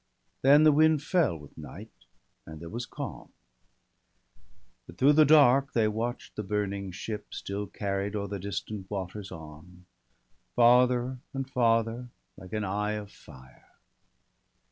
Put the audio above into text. Then the wind fell, with night, and there was calm; But through the dark they watch'd the bm ning ship Still carried o'er the distant waters on. Farther and farther, like an eye of fire.